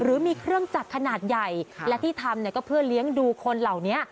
หรือมีเครื่องจักรขนาดใหญ่และที่ทำเนี่ยก็เพื่อเลี้ยงดูคนเหล่านี้